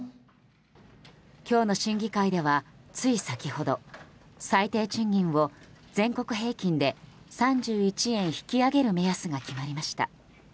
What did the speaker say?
今日の審議会では、つい先ほど最低賃金を全国平均で３１円引き上げる目安が決まりました。